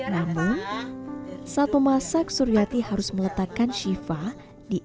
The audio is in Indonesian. namun saat memasak suryati harus meletakkan shiva di atas